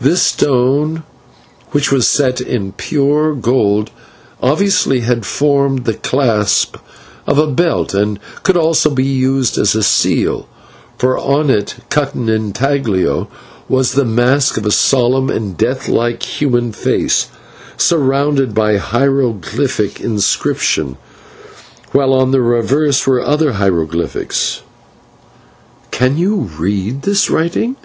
This stone, which was set in pure gold, obviously had formed the clasp of a belt and could also be used as a seal; for on it, cut in /intaglio/, was the mask of a solemn and death like human face surrounded by a hieroglyphic inscription, while on the reverse were other hieroglyphics. "Can you read this writing?"